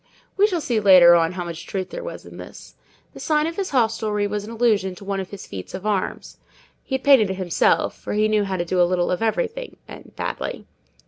We shall see later on how much truth there was in this. The sign of his hostelry was in allusion to one of his feats of arms. He had painted it himself; for he knew how to do a little of everything, and badly.